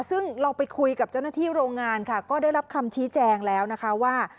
ซึ่งเราไปคุยกับเจ้าหน้าที่โรงงานค่ะก็ได้รับคำชี้แจงแล้วนะคะว่า